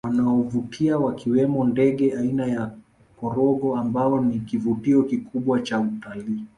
Wanaovutia wakiwemo ndege aina ya Korongo ambao ni kivutio kikubwa cha utalii